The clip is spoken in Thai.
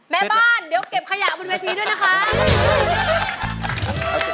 แม่บ้านเดี๋ยวเก็บขยะบนเวทีด้วยนะคะ